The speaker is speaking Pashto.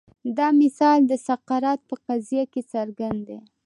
دا مثال د سقراط په قضیه کې څرګند دی.